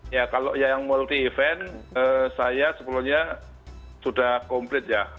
ya kalau yang multi event saya sebelumnya sudah komplit ya